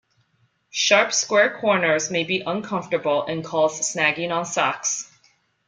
Sharp square corners may be uncomfortable and cause snagging on socks.